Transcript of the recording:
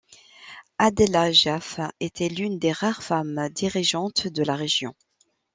Adela Jaff était l'une des rares femmes dirigeantes de la région.